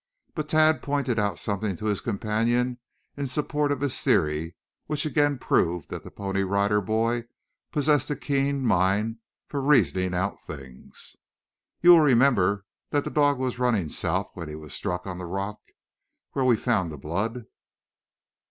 But Tad pointed out something to his companion in support of his theory which again proved that the Pony Rider Boy possessed a keen mind for reasoning out things. "You will remember that the dog was running south when he was struck on the rock where we found the blood?"